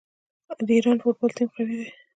د ایران فوټبال ټیم قوي دی.